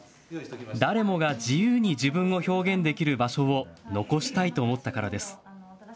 誰もが自由に自分を表現できる場所を残したいと思ったからです。